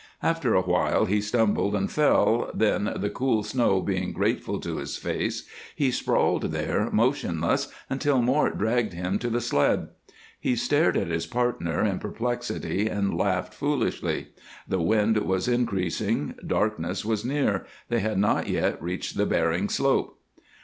After a while he stumbled and fell, then, the cool snow being grateful to his face, he sprawled there motionless until Mort dragged him to the sled. He stared at his partner in perplexity and laughed foolishly. The wind was increasing, darkness was near, they had not yet reached the Bering slope.